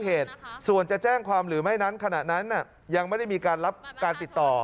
เหตุส่วนจะแจ้งความหรือไม่นั้นขณะนั้นยังไม่ได้มีการรับการติดต่อ